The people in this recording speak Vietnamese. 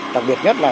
đặc biệt nhất là